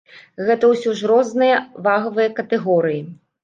Гэта ўсе ж розныя вагавыя катэгорыі.